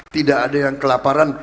tidak ada yang kelaparan